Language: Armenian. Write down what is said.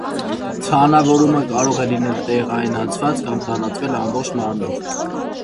Ցանավորումը կարող է լինել տեղայնացված, կամ տարածվել ամբողջ մարմնով։